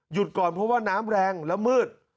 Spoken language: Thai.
ก่อนเพราะว่าน้ำแรงและมืด